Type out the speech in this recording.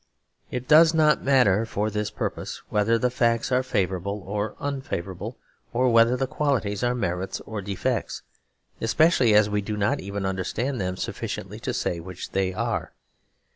It does not matter for this purpose whether the facts are favourable or unfavourable, or whether the qualities are merits or defects; especially as we do not even understand them sufficiently to say which they are.